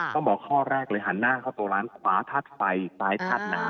บอกข้อแรกเลยหันหน้าเข้าตัวร้านขวาธาตุไฟซ้ายธาตุน้ำ